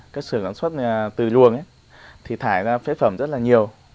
các sử dụng sản xuất từ luồng thì thải ra phế phẩm rất là nhiều